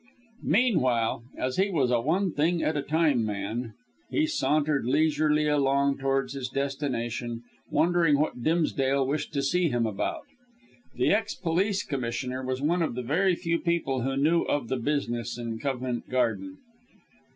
Meanwhile as he was a one thing at a time man he sauntered leisurely along towards his destination, wondering what Dimsdale wished to see him about. The ex police commissioner was one of the very few people who knew of the business in Covent Garden.